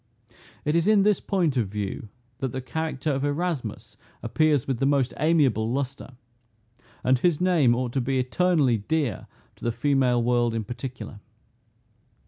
It is in this point of view that the character of Erasmus appears with the most amiable lustre; and his name ought to be eternally dear to the female world in particular.